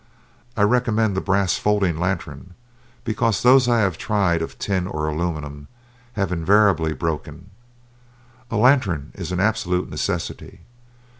I recommend the brass folding lantern, because those I have tried of tin or aluminum have invariably broken. A lantern is an absolute necessity.